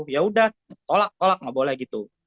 yaudah tolak kolak gak boleh gitu